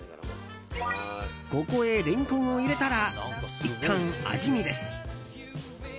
ここへレンコンを入れたらいったん味見です。